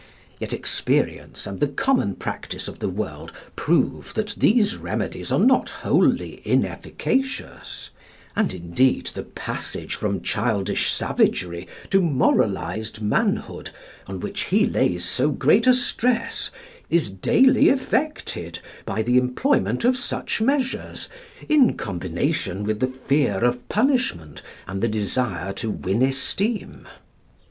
Yet experience and the common practice of the world prove that these remedies are not wholly inefficacious; and indeed the passage from childish savagery to moralised manhood, on which he lays so great a stress, is daily effected by the employment of such measures in combination with the fear of punishment and the desire to win esteem.